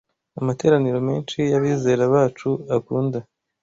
Amateraniro menshi y’abizera bacu akunda